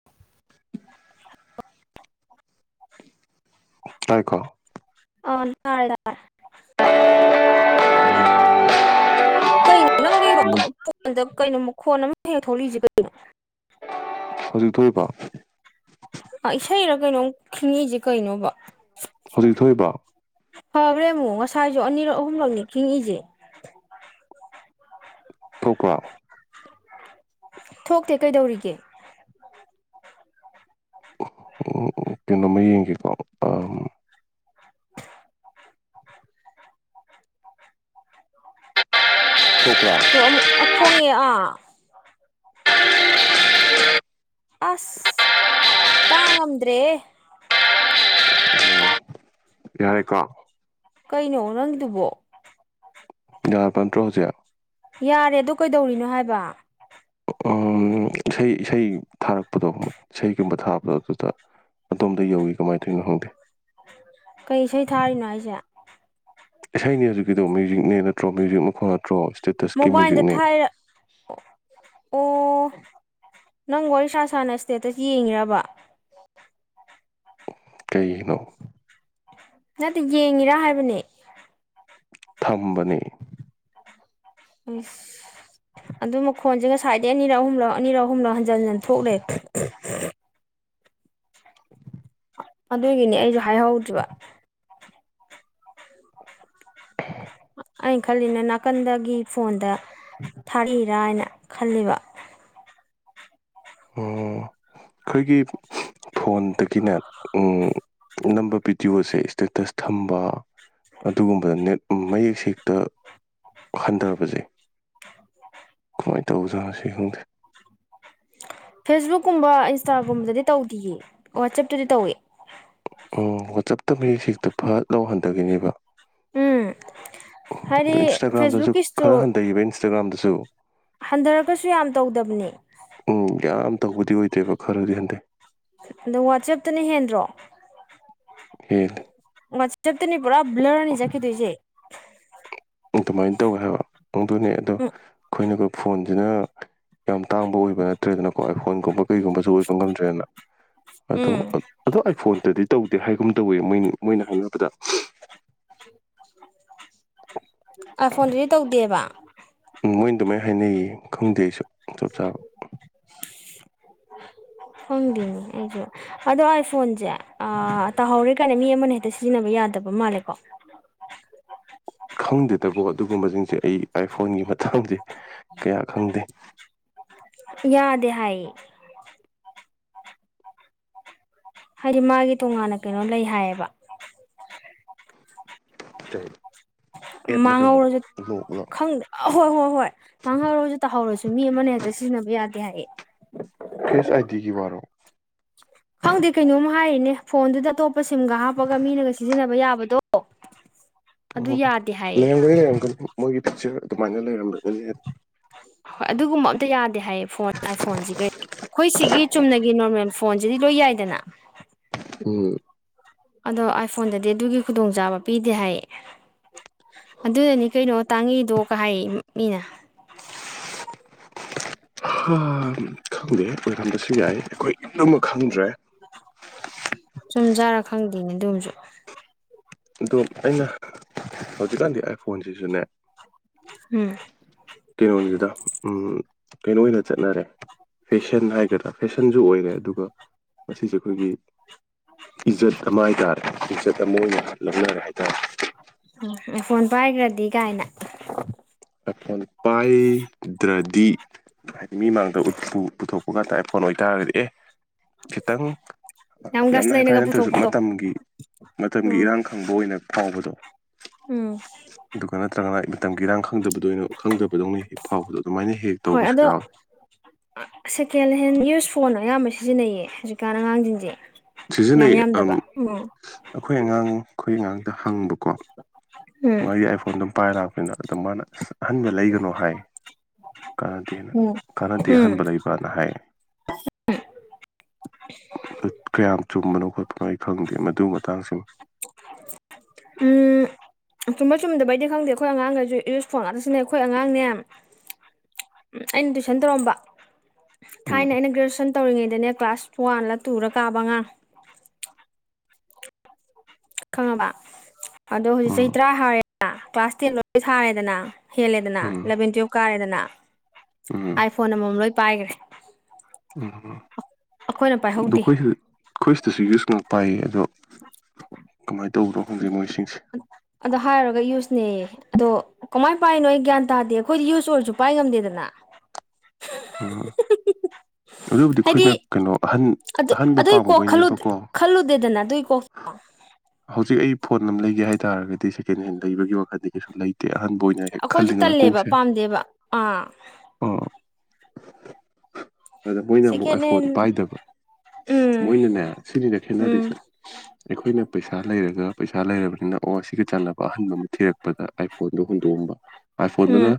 [unintelligible] [unintelligible] ꯇꯥꯏꯀꯣ ꯑꯥ ꯇꯥꯔꯦ ꯇꯥꯔꯦ ꯀꯩꯅꯣ ꯅꯪꯒꯤ ꯎꯝ ꯐꯣꯟꯗ ꯀꯩꯅꯣ ꯃꯈꯣꯟ ꯑꯃ ꯍꯦꯛ ꯊꯣꯛꯂꯤꯁꯦ ꯀꯩꯅꯣ ꯍꯧꯖꯤꯛ ꯊꯣꯛꯏꯕꯣ ꯏꯁꯩꯔ ꯀꯩꯅꯣꯝ ꯈꯤꯉꯛꯏꯁꯦ ꯀꯩꯅꯣꯕ ꯍꯧꯖꯤꯛ ꯊꯣꯛꯏꯕꯣ ꯐꯈ꯭ꯔꯦ ꯑꯃꯨꯛ ꯉꯁꯥꯏꯁꯨ ꯑꯅꯤꯔꯛ ꯑꯍꯨꯝꯂꯛꯅꯦ ꯈꯤꯛꯉꯛꯢꯁꯦ ꯊꯣꯛꯄ ꯊꯣꯛꯇꯦ ꯀꯩꯗꯧꯔꯤꯒꯦ ꯎꯝ ꯀꯩꯅꯣꯝꯃ ꯌꯦꯡꯒꯦꯀꯣ ꯑꯝ ꯊꯣꯛꯄ ꯇꯣ ꯑꯃꯨꯛꯈꯣꯡꯉꯦ ꯑꯥ ꯑꯁ ꯇꯥꯡꯉꯝꯗ꯭ꯔꯦꯍꯦ ꯌꯥꯔꯦꯀꯣ ꯀꯩꯅꯣ ꯅꯪꯒꯤꯗꯨꯕꯣ ꯌꯥꯥ ꯄ ꯅꯇ꯭ꯔꯣ ꯍꯧꯖꯤꯛ ꯌꯥꯔꯦ ꯑꯗꯨ ꯀꯩꯗꯧꯔꯤꯅꯣ ꯍꯥꯏꯕ ꯏꯁꯩ ꯏꯁꯩ ꯊꯥꯔꯛꯄꯗꯣ ꯏꯁꯩꯒꯨꯝꯕ ꯊꯥꯕꯗꯣ ꯑꯗꯨꯗ ꯑꯗꯣꯝꯗ ꯌꯥꯎꯋꯤ ꯀꯃꯥꯢ ꯇꯧꯔꯤꯅꯣ ꯈꯪꯗꯦ ꯀꯩ ꯏꯁꯩ ꯊꯥꯔꯤꯅꯣ ꯍꯥꯢꯁꯦ ꯏꯁꯩꯩꯅꯦ ꯍꯧꯖꯤꯛꯒꯤꯗꯣ ꯃ꯭ꯌꯨꯖꯤꯛꯅꯦ ꯅꯠꯇ꯭ꯔꯣ ꯃ꯭ꯌꯨꯖꯤꯛ ꯃꯈꯣꯟ ꯅꯠꯇ꯭ꯔꯣ ꯏꯁꯇꯦꯇꯁꯀꯤ ꯃꯣꯕꯥꯏꯜꯗ ꯃ꯭ꯌꯨꯖꯤꯛꯅꯦ ꯊꯥꯏꯔ ꯑꯣ ꯑꯣ ꯅꯪ ꯋꯥꯔꯤ ꯁꯥ ꯁꯥꯅ ꯏꯁꯇꯦꯠꯇ ꯌꯦꯡꯉꯤꯔꯕ ꯀꯩꯒꯤꯅꯣ ꯅꯠꯇꯦ ꯌꯦꯡꯉꯤꯔꯥ ꯍꯥꯏꯕꯅꯦ ꯊꯝꯕꯅꯦ ꯑꯁ ꯑꯗꯨ ꯃꯈꯣꯟꯁꯦ ꯉꯁꯥꯏꯗꯩ ꯑꯅꯤꯔꯛ ꯑꯍꯨꯝꯂꯛ ꯑꯅꯤꯔꯛ ꯑꯍꯨꯝꯂꯛ ꯍꯟꯖꯟ ꯍꯟꯖꯤꯟ ꯊꯣꯛ ꯂꯩꯔꯦ ꯎ [unintelligible] ꯑꯗꯨꯒꯤꯅꯦ ꯑꯩꯁꯨ ꯍꯥꯏꯍꯧꯗ꯭ꯔꯤꯕ [inaudible] ꯑꯩꯅ ꯈꯜꯂꯤꯅ ꯅꯥꯀꯟꯗꯒꯤ ꯐꯣꯟꯗ ꯊꯥꯔꯛꯏꯔꯥ ꯍꯥꯏꯅ ꯈꯥꯜꯂꯤꯕ ꯑꯣ ꯑꯩꯈꯣꯏꯒꯤ ꯐꯣꯟꯗꯒꯤꯅꯦ ꯅꯝꯕ ꯚꯤꯗꯤꯑꯣꯁꯦ ꯏꯁꯇꯦꯇꯁ ꯊꯝꯕ ꯑꯗꯨꯒꯨꯝꯕꯗ ꯅꯦꯠ ꯃꯌꯦꯛꯁꯦ ꯍꯦꯛꯇ ꯍꯟꯊꯕꯁꯦ ꯀꯃꯥꯏꯅ ꯇꯧꯕꯖꯥꯠꯅꯣ ꯁꯤ ꯈꯪꯗ꯭ꯔꯦ ꯐꯦꯁꯕꯨꯛꯀꯨꯝꯕ ꯏꯟꯁꯇꯥꯒꯨꯝꯕꯗꯗꯤ ꯇꯧꯗꯦꯌꯦ ꯋꯥꯆꯞꯇꯗꯤ ꯇꯧꯋꯦ ꯎꯝ ꯋꯥꯆꯞꯇ ꯃꯤꯌꯦꯛꯁꯦ ꯍꯦꯛꯇ ꯐꯠ ꯍꯟꯊꯈꯤꯅꯦꯕ ꯎꯝ ꯑꯗꯣ ꯍꯥꯏꯗꯤ ꯏꯟꯁꯇꯥꯒ꯭ꯔꯥꯝꯗꯁꯨ ꯐꯦꯁꯕꯨꯛꯀꯤ ꯏꯁꯇꯣ ꯈꯔ ꯍꯟꯊꯈꯤꯕ ꯏꯟꯁꯇꯥꯒ꯭ꯔꯥꯝꯗꯁꯨ ꯍꯟꯊꯔꯒꯁꯨ ꯌꯥꯝ ꯇꯧꯗꯕꯅꯦ ꯎꯝ ꯌꯥꯝ ꯇꯧꯕꯗꯤ ꯑꯣꯏꯗꯦꯕ ꯈꯔꯗꯤ ꯍꯟꯊꯩ ꯑꯗꯣ ꯋꯥꯆꯦꯞꯇꯅ ꯍꯦꯟꯗ꯭ꯔꯣ ꯍꯦꯜꯂꯤ ꯋꯥꯆꯞꯇꯅꯤ ꯄꯨꯔꯥ ꯕ꯭ꯂꯔꯅꯦ ꯆꯠꯈꯤꯗꯣꯏꯁꯦ ꯑꯗꯨꯃꯥꯏꯅ ꯇꯧꯋꯦ ꯍꯥꯏꯕꯗꯨꯅꯦ ꯑꯗꯣ ꯎꯝ ꯑꯩꯈꯣꯏꯅ ꯐꯣꯟꯁꯤꯅ ꯌꯥꯝ ꯇꯥꯡꯕ ꯑꯣꯏꯕ ꯅꯠꯇ꯭ꯔꯦꯗꯅꯀꯣ ꯑꯥꯢꯐꯣꯟꯒꯨꯝꯕ ꯀꯩꯒꯨꯝꯕꯁꯨ ꯑꯣꯏꯕ ꯉꯝꯗ꯭ꯔꯦꯅ ꯑꯗꯣ ꯎꯝ ꯑꯗꯣ ꯑꯩꯥꯏꯐꯣꯟꯇꯗꯤ ꯇꯧꯗꯦ ꯍꯥꯏꯒꯨꯝ ꯇꯧꯋꯦ ꯃꯣꯏ ꯃꯣꯏꯅ ꯍꯥꯏꯅꯕꯗ ꯑꯩꯢ ꯐꯣꯟꯗꯨꯗꯤ ꯇꯧꯗꯦꯕ ꯎꯝ ꯃꯣꯏꯅ ꯑꯗꯨꯃꯥꯏꯅ ꯍꯥꯏꯅꯩꯌꯦ ꯈꯪꯗꯦ ꯑꯩꯁꯨ ꯆꯥꯞ ꯆꯥꯕ ꯈꯪꯗꯦ ꯑꯩꯁꯨ ꯑꯗꯣ ꯑꯩꯥꯏ ꯐꯣꯟꯁꯦ ꯇꯥꯍꯧꯔꯦ ꯀꯥꯏꯅ ꯃꯤ ꯑꯃꯅ ꯍꯦꯛꯇ ꯁꯤꯖꯤꯟꯅꯕ ꯌꯥꯗꯕ ꯃꯥꯜꯂꯦꯀꯣ ꯈꯪꯗꯦꯗꯕꯣ ꯑꯗꯨꯒꯨꯝꯕꯁꯤꯡꯁꯦ ꯑꯩ ꯑꯥꯏꯐꯣꯟꯒꯤ ꯃꯇꯥꯡꯁꯦ ꯀꯌꯥ ꯈꯪꯗꯦ ꯌꯥꯗꯦ ꯍꯥꯏꯌꯦ ꯍꯥꯏꯗꯤ ꯃꯥꯒꯤ ꯇꯣꯉꯥꯟꯅ ꯀꯩꯅꯣ ꯂꯩ ꯍꯥꯏꯌꯦꯕ ꯀꯩ ꯃꯥꯡꯍꯧꯔꯁꯦ ꯈꯪꯗꯦ ꯑ ꯍꯣꯏ ꯍꯣꯏ ꯍꯣꯏ ꯃꯥꯡꯍꯧꯔꯁꯨ ꯇꯥꯍꯧꯔꯁꯨ ꯃꯤ ꯑꯃꯅ ꯍꯦꯛꯇ ꯁꯤꯖꯤꯟꯅꯕ ꯌꯥꯗꯦ ꯍꯥꯏꯌꯦ ꯐꯦꯁ ꯑꯥꯏꯗꯤꯒꯤ ꯋꯥꯔꯣ ꯈꯪꯗꯦ ꯀꯩꯅꯣꯝ ꯍꯥꯏꯔꯤꯅꯦ ꯐꯣꯟꯗꯨꯗ ꯑꯇꯣꯞꯄ ꯁꯤꯝꯒ ꯍꯥꯞꯄꯒ ꯃꯤꯅꯒ ꯁꯤꯖꯤꯟꯅꯕ ꯌꯥꯕꯗꯣ ꯑꯣ [unintelligible] ꯑꯣ ꯂꯩꯔꯝꯒꯅꯤ ꯂꯩꯔꯝꯒꯅꯤ ꯃꯣꯏꯒꯤ ꯐꯤꯛꯆꯔ ꯑꯗꯨꯃꯥꯏꯅ ꯂꯩꯔꯝꯒꯅꯤ ꯍꯣꯏ ꯑꯗꯨꯒꯨꯝꯕ ꯑꯝꯇ ꯌꯥꯗꯦ ꯍꯥꯏꯌꯦ ꯐꯣꯟ ꯑꯩꯢꯐꯣꯟꯁꯤ ꯀꯩ ꯑꯩꯈꯣꯏ ꯁꯤꯒꯤ ꯆꯨꯝꯅꯒꯤ ꯅꯣꯔꯃꯦꯜ ꯐꯣꯟꯁꯤꯗꯤ ꯂꯣꯏ ꯌꯥꯏꯗꯅ ꯎꯝ ꯑꯗꯣ ꯑꯥꯏꯐꯣꯟꯗꯗꯤ ꯑꯗꯨꯒꯤ ꯈꯨꯗꯣꯡꯆꯥꯕ ꯄꯤꯗꯦ ꯍꯥꯏꯌꯦ ꯑꯗꯨꯅꯅꯤ ꯀꯩꯅꯣ ꯇꯥꯡꯉꯤꯗꯣ ꯀꯥ ꯍꯥꯏꯌꯦ ꯃꯤꯅ ꯈꯪꯗꯦ ꯑꯣꯏꯔꯝꯕꯁꯨ ꯌꯥꯏ ꯑꯩꯈꯣꯏ ꯄꯨꯝꯅꯃꯛ ꯈꯪꯗ꯭ꯔꯦ ꯆꯨꯝ ꯖꯥꯔ ꯈꯪꯗꯦꯅꯦ ꯑꯗꯨꯝꯁꯨ ꯑꯗꯣ ꯑꯩꯅ ꯍꯧꯖꯤꯛꯀꯥꯟꯗꯤ ꯑꯥꯏꯐꯣꯟꯁꯤꯁꯨꯅꯦ ꯎꯝ ꯀꯩꯅꯣꯅꯤꯗ ꯎꯝ ꯀꯩꯅꯣ ꯑꯣꯏꯅ ꯆꯠꯅꯔꯦ ꯐꯦꯁꯟ ꯍꯥꯏꯒꯗ꯭ꯔꯥ ꯐꯦꯁꯟ ꯁꯟꯁꯨ ꯑꯣꯏꯔꯦ ꯑꯗꯨꯒ ꯃꯁꯤꯁꯦ ꯑꯩꯈꯣꯏꯒꯤ ꯏꯖꯠ ꯑꯃ ꯍꯥꯏꯇꯥꯔꯦ ꯏꯖꯠ ꯑꯃ ꯑꯣꯏꯅ ꯂꯧꯅꯔꯦ ꯍꯥꯏꯇꯥꯔꯦ ꯎꯝ ꯑꯥꯏ ꯐꯣꯟ ꯄꯥꯏꯈ꯭ꯔꯗꯤ ꯀꯥꯏꯅ ꯑꯥꯏꯐꯣꯟ ꯄꯥꯏꯗ꯭ꯔꯗꯤ ꯑꯗꯨ ꯍꯥꯏꯗꯤ ꯃꯤ ꯃꯥꯡꯗ ꯎꯠꯄꯨ ꯄꯨꯊꯣꯛꯄ ꯉ ꯇꯥꯏ ꯑꯥꯏ ꯐꯣꯟ ꯑꯣꯏꯇꯥꯔꯒꯗꯤ ꯑꯦ ꯈꯤꯇꯪ ꯌꯥꯝ ꯒꯁ ꯍꯥꯏ ꯐꯥꯏ ꯂꯩꯅꯒ ꯅꯠꯇ꯭ꯔꯁꯨ ꯄꯨꯊꯣꯛꯄꯗꯣ ꯃꯇꯝꯒꯤ ꯃꯇꯝꯒꯤ ꯎꯝ ꯏꯔꯥꯡ ꯈꯪꯕ ꯑꯣꯏꯅ ꯐꯥꯎꯕꯗꯣ ꯎꯝ ꯑꯗꯨꯒ ꯅꯠꯇ꯭ꯔꯒꯅ ꯃꯇꯝꯒꯤ ꯏꯔꯥꯡ ꯈꯪꯗꯕꯗꯣꯏꯅꯣ ꯈꯪꯗꯕꯗꯧꯅ ꯍꯦꯛ ꯐꯥꯎꯕꯗꯣ ꯑꯗꯨꯃꯥꯏꯅ ꯍꯦꯛ ꯍꯦꯛ ꯍꯣꯏ ꯇꯧꯕꯁꯨ ꯑꯗꯣ ꯌꯥꯎꯋꯦ [inaudible] ꯁꯦꯀꯦꯟ ꯍꯦꯟ ꯌꯨꯁ ꯐꯣꯟ ꯑꯌꯥꯝꯕ ꯁꯤꯖꯤꯟꯅꯩꯌꯦ ꯍꯧꯖꯤꯛꯀꯥꯟ ꯑꯉꯥꯡꯁꯤꯡꯁꯦ ꯌꯥꯝ ꯁꯤꯖꯤꯟꯅꯩꯌꯦ ꯑꯝ ꯌꯥꯝꯗꯕ ꯎꯝ ꯑꯩꯈꯣꯏ ꯑꯉꯥꯡ ꯑꯩꯈꯣꯏ ꯑꯉꯥꯡꯗ ꯍꯪꯕꯀꯣ ꯎꯝ ꯃꯥꯒꯤ ꯑꯥꯏꯐꯣꯟꯗꯣ ꯄꯥꯏꯔꯥ ꯂꯥꯛꯄꯅꯤꯅ ꯑꯗꯨ ꯃꯥꯅ ꯑꯍꯟꯕ ꯂꯩꯒꯅꯣ ꯍꯥꯏ ꯀꯥꯟꯅꯗꯦꯅ ꯎꯝ ꯀꯥꯟꯅꯗꯦ ꯎꯝ ꯑꯍꯟꯕ ꯂꯩꯕ ꯕꯅ ꯍꯥꯏ ꯀꯌꯥꯝ ꯆꯨꯝꯕꯅꯣ ꯈꯣꯠꯄꯅꯣ ꯑꯩ ꯈꯪꯗꯦ ꯃꯗꯨ ꯃꯇꯥꯡꯁꯤꯃ ꯎꯝ ꯆꯨꯝꯕ ꯆꯨꯝꯗꯕꯩꯗꯤ ꯈꯪꯗꯦ ꯑꯩꯈꯣꯏ ꯑꯉꯥꯡꯒꯩꯁꯨ ꯌꯨꯁ ꯐꯣꯟ ꯉꯥꯛꯇ ꯁꯤꯖꯟꯅꯩ ꯑꯩꯈꯣꯏ ꯑꯉꯥꯡꯅꯦ ꯎꯝ ꯑꯩꯅ ꯇꯨꯏꯁꯟ ꯇꯧꯔꯝꯕ ꯎꯝ ꯊꯥꯏꯅ ꯑꯩꯅ ꯒ꯭ꯔꯦꯖꯨꯋꯦꯁꯟ ꯇꯧꯔꯤꯉꯩꯗꯅꯦ ꯀ꯭ꯂꯥꯁ ꯋꯥꯟꯂ ꯇꯨꯔ ꯀꯥꯕ ꯑꯉꯥꯡ ꯈꯪꯉꯕ ꯑꯗꯣ ꯍꯧꯖꯤꯛ ꯎꯝ ꯆꯍꯤ ꯇꯔꯥ ꯍꯥꯔꯦꯅ ꯀ꯭ꯂꯥꯁ ꯇꯦꯟ ꯂꯣꯏ ꯊꯥꯔꯦꯗꯅ ꯍꯦꯜꯂꯦꯗꯅ ꯎꯝ ꯂꯚꯦꯟ ꯇꯨꯌꯦꯐ ꯀꯥꯔꯦꯗꯅ ꯎꯝ ꯑꯥꯏ ꯐꯣꯟ ꯑꯃꯃꯝ ꯂꯣꯏ ꯄꯥꯏꯈ꯭ꯔꯦ ꯎꯝ ꯑꯗꯣ ꯑꯩꯈꯣꯏꯅ ꯄꯥꯏꯍꯧꯗꯦ ꯑꯩꯈꯣꯏꯁꯤꯗ ꯑꯩꯈꯣꯏ ꯁꯤꯗꯁꯨ ꯌꯨꯁ ꯄꯥꯏꯌꯦ ꯑꯗꯣ ꯀꯃꯥꯏꯅ ꯇꯧꯕꯅꯣ ꯈꯪꯗꯦ ꯃꯣꯏꯁꯤꯡꯁꯦ ꯑꯗꯣ ꯍꯥꯏꯔꯨꯔꯒ ꯌꯨꯁꯅꯦꯌꯦ ꯑꯗꯣ ꯀꯃꯥꯏ ꯄꯥꯏꯔꯤꯅꯣ ꯑꯩ ꯒ꯭ꯌꯥꯟ ꯇꯥꯗꯦ ꯑꯩꯈꯣꯏꯗꯤ ꯌꯨꯁ ꯑꯣꯏꯔꯁꯨ ꯄꯥꯏ ꯉꯝꯗꯦꯗꯅ ꯎꯝ [inaudible] ꯑꯗꯨꯕꯨꯗꯤ ꯍꯥꯏꯗꯤ ꯑꯩꯈꯣꯏꯅ ꯀꯩꯅꯣ ꯑꯍꯟ ꯑꯍꯟꯕ ꯑꯗꯨꯏ ꯀꯣꯛ ꯄꯥꯝꯃꯨꯕꯩꯅꯦꯕꯀꯣ ꯈꯜꯂꯨꯗꯦꯗꯅ ꯑꯗꯨꯏ ꯀꯣꯛꯇꯣ ꯍꯧꯖꯤꯛ ꯑꯩ ꯐꯣꯟ ꯑꯃ ꯂꯩꯒꯦ ꯍꯥꯏꯇꯥꯥꯔꯒꯗꯤ ꯁꯦꯀꯦꯟ ꯍꯦꯟ ꯂꯩꯕꯒꯤ ꯋꯥꯈꯟꯗꯤ ꯀꯩꯁꯨ ꯂꯩꯇꯦ ꯇꯦ ꯑꯍꯟꯕ ꯑꯣꯏꯅ ꯍꯦꯛ ꯑꯩꯈꯣꯏꯁꯨ ꯈꯜꯂꯤꯗꯅ ꯇꯜꯂꯦꯕ ꯀꯣꯛꯁꯦ ꯄꯥꯝꯗꯦꯕ ꯑꯥ ꯑ ꯑꯗ ꯃꯣꯏꯅ ꯑꯃꯨꯛ ꯁꯦꯀꯦꯟ ꯍꯦꯟ ꯑꯥꯏꯐꯣꯟ ꯄꯥꯏꯗꯕ ꯎꯝ ꯃꯣꯏꯅꯅꯦ ꯁꯤꯅꯤꯅꯦ ꯎꯝ ꯈꯦꯠꯅꯔꯤꯁꯦ ꯑꯩꯈꯣꯏꯅ ꯄꯩꯁꯥ ꯂꯩꯔꯒ ꯄꯩꯁꯥ ꯂꯩꯔꯕꯅꯤꯅ ꯑꯣ ꯁꯤꯒ ꯆꯥꯟꯅꯕ ꯑꯍꯟꯕ ꯑꯃ ꯊꯤꯔꯛꯄ ꯄꯗ ꯑꯥꯏꯐꯣꯟꯗꯣ ꯍꯨꯟꯗꯣꯛꯑꯝꯕ ꯎꯝ ꯑꯥꯏꯐꯣꯟꯗꯨꯅ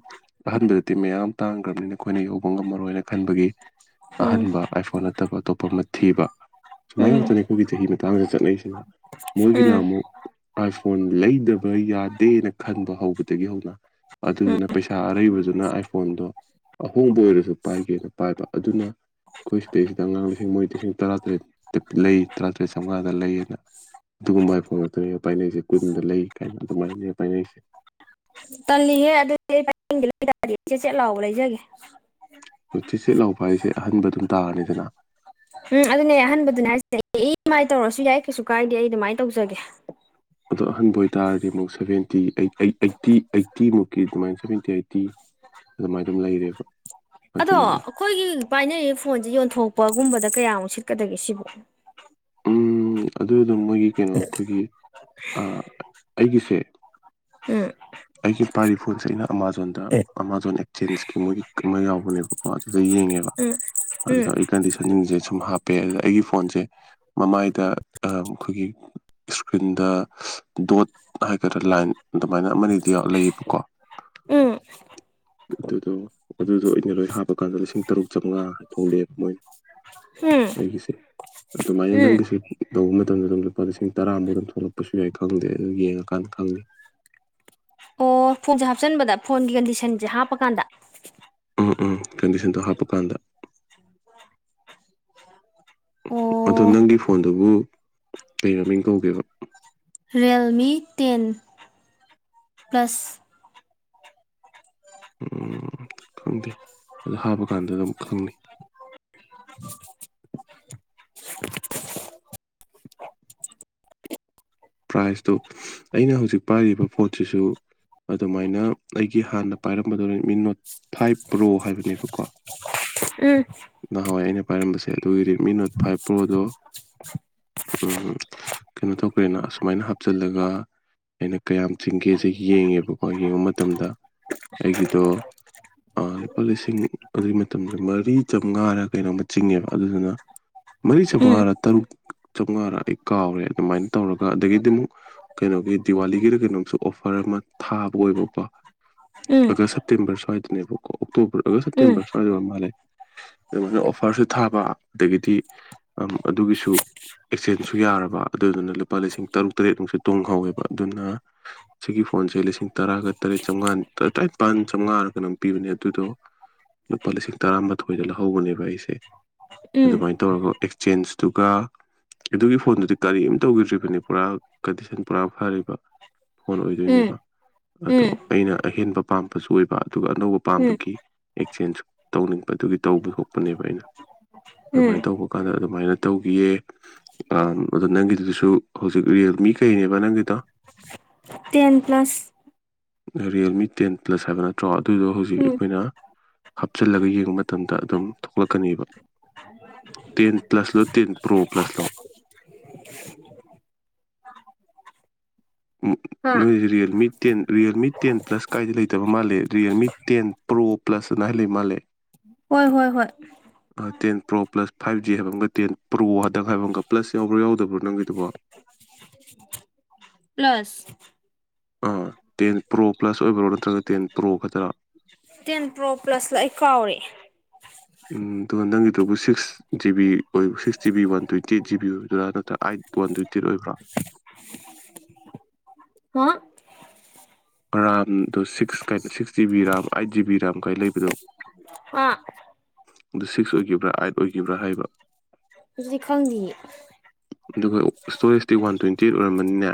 ꯑꯍꯟꯕꯗꯗꯤ ꯃꯌꯥꯝ ꯇꯥꯡꯈ꯭ꯔꯕꯅꯤꯅ ꯑꯩꯈꯣꯏꯅ ꯌꯧꯕ ꯉꯝꯃꯔꯣꯏꯅ ꯈꯟꯕꯒꯤ ꯎꯝ ꯑꯍꯟꯕ ꯑꯥꯏꯐꯣꯟ ꯅꯠꯇꯕ ꯑꯇꯣꯞꯄ ꯑꯃ ꯊꯤꯕ ꯁꯨꯃꯥꯏ ꯎꯝ ꯉꯥꯛꯇꯅꯤ ꯑꯩꯈꯣꯏꯒꯤ ꯆꯍꯤ ꯃꯇꯥꯡꯁꯤꯗ ꯆꯠꯅꯁꯤꯅ ꯃꯣꯏꯒꯤꯅ ꯎꯝ ꯑꯃꯨꯛ ꯑꯥꯏ ꯐꯣꯟ ꯂꯩꯗꯕ ꯌꯥꯗꯦꯅ ꯈꯟꯕ ꯍꯧꯕꯗꯒꯤ ꯍꯧꯅ ꯎꯝ ꯑꯗꯨꯗꯨꯅ ꯄꯩꯁꯥ ꯑꯔꯩꯕꯗꯨꯅ ꯑꯥꯏ ꯐꯣꯟꯗꯣ ꯑꯍꯣꯡꯕ ꯑꯣꯏꯔꯁꯨ ꯄꯥꯏꯒꯦꯅ ꯄꯥꯏꯕ ꯑꯗꯨꯅ ꯑꯩꯈꯣꯏ ꯁꯤꯗꯩꯁꯤꯗ ꯑꯉꯥꯡ ꯃꯣꯏ ꯂꯤꯁꯤꯡ ꯇꯔꯥꯇꯔꯦꯠꯇ ꯂꯩ ꯇꯔꯥꯇꯔꯦꯠ ꯆꯥꯝꯃꯉꯥꯗ ꯂꯩꯌꯦꯅ ꯑꯗꯨꯒꯨꯝꯕ ꯑꯥꯏꯐꯣꯉꯥꯛꯇꯅꯦ ꯄꯥꯏꯅꯩꯁꯦ ꯀꯨꯏꯅꯨꯡꯗ ꯂꯩ ꯀꯥꯏꯅ ꯑꯗꯨꯃꯥꯏꯅꯅꯦ ꯄꯥꯏꯅꯩꯁꯦ ꯇꯜꯂꯤꯍꯦ ꯑꯗꯨꯗꯤ ꯑꯩ ꯄꯥꯏꯅꯤꯡꯗ꯭ꯔꯦ [unintelligible] ꯆꯦꯠꯆꯦꯠ ꯂꯥꯎꯕ ꯂꯩꯖꯒꯦ ꯆꯦꯠꯆꯦꯠ ꯂꯥꯎꯕ ꯍꯥꯏꯁꯦ ꯑꯍꯟꯕ ꯑꯗꯨꯝ ꯇꯥꯔꯅꯤꯗꯅ ꯎꯝ ꯑꯗꯨꯅꯦ ꯑꯍꯟꯕꯗꯨꯅꯦ ꯍꯥꯏꯁꯦ ꯏ ꯑꯦꯝ ꯑꯥꯏ ꯇꯧꯔꯁꯨ ꯌꯥꯏ ꯀꯩꯁꯨ ꯀꯥꯏꯗꯦ ꯑꯩ ꯑꯗꯨꯃꯥꯏꯅ ꯇꯧꯖꯒꯦ ꯑꯗꯣ ꯑꯍꯟꯕ ꯑꯣꯏꯇꯥꯔꯗꯤ ꯑꯃꯨꯛ ꯁꯕꯦꯟꯇꯤ ꯑꯩ ꯑꯩ ꯑꯩꯠꯇꯤ ꯑꯩꯠꯇꯤꯃꯨꯛꯀꯤ ꯑꯗꯨꯃꯥꯏꯅ ꯁꯚꯦꯟꯇꯤ ꯑꯩꯠꯇꯤ ꯑꯗꯨꯃꯥꯏ ꯑꯗꯨꯝ ꯂꯩꯔꯦꯕ ꯑꯗꯣ ꯑꯗꯨꯅꯤꯗ ꯑꯩꯈꯣꯏꯒꯤ ꯄꯥꯏꯅꯔꯤ ꯐꯣꯟꯁꯦ ꯌꯣꯟꯊꯣꯛꯄꯒꯨꯝꯕꯗ ꯀꯌꯥꯃꯨꯛ ꯁꯤꯠꯀꯗꯒꯦ ꯁꯤꯕꯣ ꯎꯝ ꯑꯗꯨ ꯑꯗꯨꯝ ꯃꯣꯏꯒꯤ ꯀꯩꯅꯣ ꯑꯩꯈꯣꯏꯒꯤ ꯑ ꯑꯩꯒꯤꯁꯦ ꯍꯝ ꯑꯩꯒꯤ ꯄꯥꯥꯏꯔꯤ ꯐꯣꯟꯁꯦ ꯑꯩꯅ ꯑꯃꯥꯖꯣꯟꯗ ꯑꯦ ꯑꯃꯥꯖꯣꯟ ꯑꯦꯛꯆꯦꯟꯁꯀꯤ ꯃꯣꯏꯒꯤ ꯑꯃ ꯌꯥꯎꯕꯅꯦꯕ ꯀꯣ ꯑꯗꯨꯗ ꯌꯦꯡꯉꯦꯕ ꯎꯝ ꯎꯝ ꯑꯗꯨꯗ ꯑꯩ ꯀꯟꯗꯤꯁꯟꯁꯤꯡꯁꯦ ꯁꯨꯝ ꯍꯥꯞꯄꯦ ꯑꯗꯨꯗ ꯑꯩꯒꯤ ꯐꯣꯟꯁꯦ ꯃꯃꯥꯏꯗ ꯑ ꯑꯩꯈꯣꯏꯒꯤ ꯏꯁꯀ꯭ꯔꯤꯟꯗ ꯗꯣꯠ ꯍꯥꯏꯒꯗ꯭ꯔꯥ ꯂꯥꯏꯟ ꯑꯗꯨꯃꯥꯏꯅ ꯑꯃꯅꯤ [unintelligible] ꯂꯩꯌꯦꯕꯀꯣ ꯎꯝ ꯑꯗꯨꯗꯣ ꯑꯗꯨꯗꯣ ꯑꯩꯅ ꯂꯣꯏ ꯍꯥꯞꯄ ꯑꯥꯗ ꯂꯤꯁꯤꯡ ꯇꯔꯨꯛ ꯆꯥꯝꯃꯉꯥ ꯊꯣꯛꯂꯛꯑꯦꯕ ꯃꯣꯏꯅ ꯎꯝ ꯑꯩꯒꯤꯁꯦ ꯑꯗꯨꯃꯥꯏꯅ ꯎꯝ ꯅꯪꯒꯤꯁꯨ ꯇꯧꯕ ꯃꯇꯝꯗ ꯑꯗꯨꯝ ꯂꯨꯄꯥ ꯂꯤꯁꯤꯡ ꯇꯔꯥꯃꯨꯛ ꯑꯗꯨꯝ ꯊꯣꯛꯂꯛꯄꯁꯨ ꯌꯥꯏ ꯈꯪꯗꯦ ꯑꯗꯨ ꯌꯦꯡꯉꯀꯥꯟꯗ ꯈꯪꯅꯤ ꯑꯣ ꯐꯣꯟꯁꯦ ꯍꯥꯞꯆꯟꯕꯗ ꯐꯣꯟꯒꯤ ꯀꯟꯗꯤꯁꯟꯁꯦ ꯍꯥꯞꯄꯀꯥꯟꯗ ꯎꯝ ꯎꯝ ꯀꯟꯗꯤꯁꯟꯗꯣ ꯍꯥꯞꯄꯀꯥꯟꯗ ꯑꯗꯣ ꯑꯣ ꯅꯪꯒꯤ ꯐꯣꯟꯗꯨꯕꯨ ꯀꯩ ꯃꯃꯤꯡ ꯀꯧꯒꯦꯕ ꯔꯦꯜꯃꯤ ꯇꯦꯟ ꯄ꯭ꯂꯁ ꯎꯝ ꯈꯪꯗꯦ ꯑꯗꯨ ꯍꯥꯞꯄꯀꯥꯟꯗ ꯑꯗꯨꯝ ꯈꯪꯅꯤ [inaudible] ꯄ꯭ꯔꯥꯏꯇꯣ ꯑꯩꯅ ꯍꯧꯖꯤꯛ ꯄꯥꯏꯔꯤꯕ ꯐꯣꯟꯁꯤꯁꯨ ꯑꯗꯨꯃꯥꯏꯅ ꯑꯩꯒꯤ ꯍꯥꯟꯅ ꯄꯥꯏꯔꯝꯕꯗꯨꯅ ꯔꯦꯠꯃꯤ ꯅꯣꯠ ꯐꯥꯏꯚ ꯄ꯭ꯔꯣ ꯍꯥꯏꯕꯅꯦꯕꯀꯣ ꯎꯝ ꯅꯍꯥꯟꯋꯥꯏ ꯑꯩꯅ ꯄꯥꯏꯔꯝꯕꯁꯦ ꯑꯗꯨꯒꯤ ꯔꯦꯠꯃꯤ ꯅꯣꯠ ꯐꯥꯏꯚ ꯄ꯭ꯔꯣꯗꯣ ꯎꯝ ꯀꯩꯅꯣ ꯇꯧ ꯀꯩꯅꯣ ꯑꯗꯨꯃꯥꯏꯅ ꯍꯥꯞꯆꯤꯜꯂꯒ ꯑꯩꯅ ꯀꯌꯥꯝ ꯆꯤꯡꯒꯦꯁꯦ ꯌꯦꯡꯉꯦꯕꯀꯣ ꯌꯦꯡꯕ ꯃꯇꯝꯗ ꯑꯩꯒꯤꯗꯣ ꯥꯑꯥ ꯂꯨꯄꯥ ꯂꯤꯁꯤꯡ ꯑꯗꯨꯒꯤ ꯃꯇꯝꯗ ꯃꯔꯤ ꯆꯥꯝꯃꯉꯥꯔ ꯀꯩꯅꯣꯝꯃ ꯆꯤꯡꯉꯦꯕ ꯑꯗꯨꯗꯨꯅ ꯃꯔꯤ ꯎꯝ ꯆꯥꯝꯃꯉꯥꯔꯥ ꯇꯔꯨꯛ ꯆꯥꯝꯃꯉꯥꯔꯥ ꯑꯩ ꯀꯥꯎꯔꯦ ꯑꯗꯨꯃꯥꯏꯅ ꯇꯧ ꯑꯗꯒꯤꯗꯤ ꯑꯃꯨꯛ ꯀꯩꯅꯣꯒꯤ ꯗꯤꯋꯥꯂꯤꯒꯤꯔ ꯀꯩꯅꯣꯝꯁꯨ ꯑꯣꯐꯔ ꯑꯃ ꯊꯥꯕ ꯑꯣꯏꯕꯀꯣ ꯎꯝ ꯑꯥꯒꯁ ꯁꯦꯞꯇꯦꯝꯕꯔ ꯁ꯭ꯋꯥꯏꯗꯅꯦꯕꯀꯣ ꯑꯣꯛꯇꯣꯕꯔ ꯑꯥꯒꯁ ꯎꯝ ꯁꯦꯞꯇꯦꯝꯕꯔ ꯁ꯭ꯋꯥꯏꯗ ꯑꯣꯏꯔ ꯃꯥꯜꯂꯦ ꯑꯗꯨꯃꯥꯏꯅ ꯑꯣꯐꯔꯁꯨ ꯊꯥꯕ ꯑꯗꯒꯤꯗꯤ ꯑꯝ ꯑꯗꯨꯒꯤꯁꯨ ꯑꯦꯛꯆꯦꯟꯁꯁꯨ ꯌꯥꯔꯕ ꯑꯗꯨꯗꯨꯅ ꯂꯨꯄꯥ ꯂꯤꯁꯤꯡ ꯇꯔꯨꯛ ꯇꯔꯦꯠ ꯃꯨꯛꯁꯨ ꯇꯣꯡꯍꯧꯋꯦꯕ ꯑꯗꯨꯅ ꯁꯤꯒꯤ ꯐꯣꯟꯁꯦ ꯂꯤꯁꯤꯡ ꯇꯔꯥꯒ ꯇꯔꯦꯠ ꯆꯥꯝꯃꯉꯥ ꯇꯔꯅꯤꯄꯥꯟ ꯆꯥꯝꯃꯉꯥꯔꯒ ꯀꯩꯅꯣꯝ ꯄꯤꯕꯅꯦ ꯑꯗꯨꯗꯣ ꯂꯨꯄꯥ ꯂꯤꯁꯤꯡ ꯇꯔꯥꯃꯥꯊꯣꯏꯗ ꯂꯧꯍꯧꯕꯅꯦꯕ ꯑꯩꯁꯦ ꯎꯝ ꯑꯗꯨꯃꯥꯏꯅ ꯇꯧꯔꯒ ꯑꯦꯛꯆꯦꯟꯁꯇꯨꯒ ꯑꯗꯨꯒꯤ ꯐꯣꯟꯗꯨꯗꯤ ꯀꯔꯤꯝ ꯇꯧꯒꯤꯗ꯭ꯔꯤꯕ ꯄꯨꯔꯥ ꯀꯟꯗꯤꯁꯟ ꯄꯨꯔꯥ ꯐꯔꯤꯕ ꯐꯣꯟ ꯑꯣꯏꯗꯣꯏꯅꯦꯕ ꯎꯝ ꯑꯗꯣ ꯎꯝ ꯑꯩꯅ ꯑꯍꯦꯟꯕ ꯄꯥꯝꯕꯁꯨ ꯑꯣꯏꯕ ꯑꯗꯨꯒ ꯑꯅꯧꯕ ꯎꯝ ꯄꯥꯝꯕꯒꯤ ꯑꯦꯛꯆꯦꯟꯖ ꯇꯧꯅꯤꯡꯕꯗꯨꯒꯤ ꯇꯧꯕ ꯊꯣꯛꯄꯅꯦꯕ ꯑꯩꯅ ꯎꯝ ꯑꯗꯨꯃꯥꯏꯅ ꯇꯧꯕ ꯀꯥꯟꯗ ꯑꯗꯨꯃꯥꯏꯅ ꯇꯧꯈꯤꯌꯦ ꯑꯗꯣ ꯅꯪꯒꯤꯗꯨꯁꯨ ꯍꯧꯖꯤꯛ ꯔꯤꯌꯦꯜꯃꯤ ꯀꯩꯅꯦꯕ ꯅꯪꯒꯤꯗꯣ ten plus Realme ten plus ꯍꯥꯏꯕ ꯅꯠꯇ꯭ꯔꯣ ꯑꯗꯨꯗꯣ ꯍꯧꯖꯤꯛ ꯎꯝ ꯑꯩꯈꯣꯏꯅ ꯍꯥꯞꯆꯤꯜꯂꯒ ꯌꯦꯡꯕ ꯃꯇꯝꯗ ꯑꯗꯨꯝ ꯊꯣꯛꯂꯛꯀꯅꯤꯕ ꯇꯦꯟ ꯄ꯭ꯂꯁꯔꯣ ꯇꯦꯟ ꯄ꯭ꯔꯣ ꯄ꯭ꯂꯁꯔꯣ ꯍꯥꯥ ꯅꯣꯏꯁꯦ Realme ten Realme ten plus ꯀꯥꯏꯗꯤ ꯂꯩꯇꯕ ꯃꯥꯜꯂꯦ ꯔꯤꯌꯦꯜꯃꯤ ꯇꯦꯟ ꯄ꯭ꯔꯣ ꯄ꯭ꯂꯁꯅꯂꯩ ꯃꯥꯜꯂꯦ ꯍꯣꯏ ꯍꯣꯏ ꯍꯣꯏ ten pro plus five G ꯍꯥꯏꯕ ꯑꯃꯒ ꯇꯦꯟ ꯄ꯭ꯔꯣ ꯍꯟꯗꯛ ꯍꯥꯏꯕ ꯑꯃꯒ ꯄ꯭ꯂꯁ ꯌꯥꯎꯕ꯭ꯔꯣ ꯌꯥꯎꯗꯕ꯭ꯔꯣ ꯅꯪꯒꯤꯗꯨꯕꯣ [unintelligible] ꯄ꯭ꯂꯁ ꯑꯥ ꯇꯦꯟ ꯄ꯭ꯔꯣ ꯄ꯭ꯂꯁ ꯑꯣꯏꯕꯔꯣ ꯅꯠꯇ꯭ꯔꯒ ꯇꯦꯟ ꯄ꯭ꯔꯣ ꯈꯛꯇꯔ ꯇꯦꯟ ꯄ꯭ꯔꯣ ꯄ꯭ꯂꯁꯂ ꯑꯩ ꯀꯥꯎꯔꯦ ꯎꯝ ꯑꯗꯨ ꯅꯪꯒꯤꯗꯨꯕꯨ ꯁꯤꯛꯁ ꯖꯤ ꯕꯤ ꯑꯣꯏꯕ six G B one twenty eight GB ꯑꯣꯏꯕꯗꯨꯔꯥ ꯅꯠꯇ꯭ꯔ ꯑꯥꯏꯠ ꯋꯥꯟ ꯇ꯭ꯋꯦꯟꯇꯤ ꯑꯩꯠ ꯑꯣꯏꯕ꯭ꯔꯥ ꯍꯥ ꯔꯥꯝꯗꯣ ꯁꯤꯛꯁ ꯀꯩꯕ six G B RAM eight G B RAM ꯀꯥꯢ ꯂꯩꯕꯗꯣ ꯑꯥ ꯑꯗꯨ ꯁꯤꯛꯁ ꯑꯣꯏꯈꯤꯕ꯭ꯔꯥ ꯑꯥꯏꯠ ꯑꯣꯏꯈꯤꯕ꯭ꯔꯥ ꯍꯥꯏꯕ ꯑꯗꯨꯗꯤ ꯈꯪꯗꯤꯌꯦ ꯑꯗꯨꯒ ꯏꯁꯇꯣꯔꯦꯖꯇꯤ ꯋꯥꯟ ꯇ꯭ꯋꯦꯟꯇꯤ ꯑꯩꯠ ꯑꯣꯏꯔꯝꯃꯅꯤꯅꯦ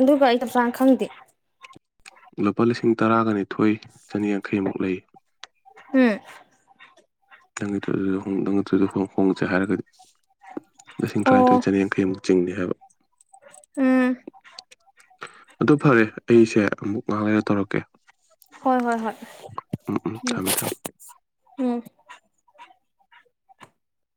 ꯑꯗꯨꯒ ꯑꯩ ꯆꯞ ꯆꯥꯅ ꯈꯪꯗꯦ ꯂꯨꯄꯥ ꯂꯤꯁꯤꯡ ꯇꯔꯥꯒ ꯅꯤꯊꯣꯏ ꯆꯅꯤꯌꯥꯡꯈꯩꯃꯨꯛ ꯂꯩ ꯍꯨꯝ [unintelligible] ꯍꯣꯡꯉꯁꯦ ꯍꯥꯏꯔꯒꯗꯤ ꯂꯤꯁꯤꯡ ꯑꯣ ꯇꯔꯥꯅꯤꯊꯣꯏ ꯆꯅꯤꯌꯥꯡꯈꯩꯃꯨꯛ ꯆꯤꯡꯅꯤ ꯍꯥꯏꯕ ꯎꯝ ꯑꯗꯨ ꯐꯔꯦ ꯑꯩꯁꯦ ꯑꯃꯨꯛ ꯉꯍꯥꯛ ꯂꯩꯔ ꯇꯧꯔꯛꯀꯦ ꯍꯣꯏ ꯍꯣꯏ ꯍꯣꯏ ꯎꯝ ꯎꯝ ꯊꯝꯃꯦ ꯊꯝꯃꯦ ꯎꯝ